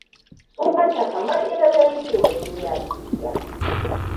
Tsufanta kamar ita ta yankewa duniya cibiya.